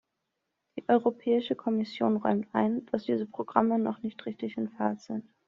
Die Europäische Kommission räumt ein, dass diese Programme noch nicht richtig in Fahrt sind.